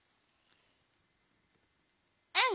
うん！